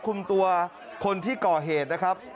คุมตัวคนที่ก่อเหตุนะครับ